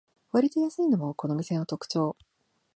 わりと安いのもこの店の特長